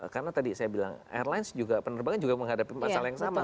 karena tadi saya bilang airlines juga penerbangan juga menghadapi masalah yang sama